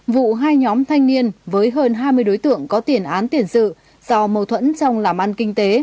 vụ hai nhóm thanh niên với hơn hai mươi đối tượng có tiền án tiền sự do mâu thuẫn trong làm ăn kinh tế